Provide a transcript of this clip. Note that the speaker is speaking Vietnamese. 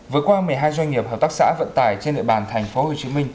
vừa qua một mươi hai doanh nghiệp hợp tác xã vận tải trên địa bàn tp hcm